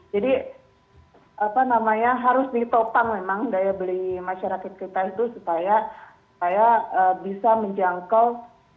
jadi apa namanya harus ditopang memang daya beli masyarakat kita itu supaya bisa menjangkau